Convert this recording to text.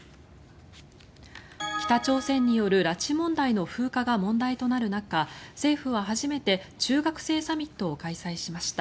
北朝鮮による拉致問題の風化が問題となる中政府は初めて中学生サミットを開催しました。